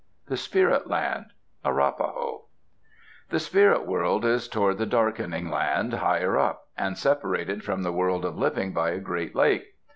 THE SPIRIT LAND Arapahoe The spirit world is toward the Darkening Land, higher up, and separated from the world of living by a great lake.